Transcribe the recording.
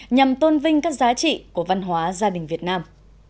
nhằm tôn vinh các giá trị của văn hóa gia đình việt nam